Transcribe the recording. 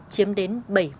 chiếm đến bảy mươi